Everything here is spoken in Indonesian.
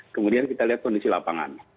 kemudian kita lihat kondisi lapangan